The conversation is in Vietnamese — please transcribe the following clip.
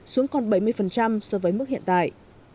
xuống còn bảy mươi so với mức hiện tại